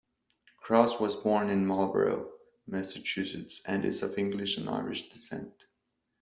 Cross was born in Marlborough, Massachusetts and is of English and Irish descent.